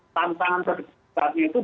tentangnya itu bukan langsung